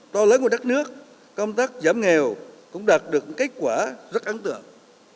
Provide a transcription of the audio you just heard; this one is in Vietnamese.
to lớn của đất nước công tác giảm nghèo cũng đạt được kết quả rất ấn tượng